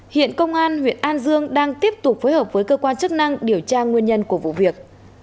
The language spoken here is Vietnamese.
hiện công an huyện an dương đang tiếp tục phối hợp với cơ quan chức năng điều tra nguyên nhân của vụ việc